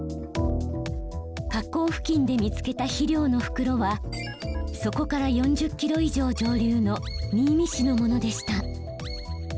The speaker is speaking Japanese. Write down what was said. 河口付近で見つけた肥料の袋はそこから４０キロ以上上流の新見市のものでした。